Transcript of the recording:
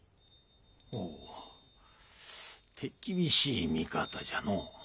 ほう手厳しい見方じゃのう。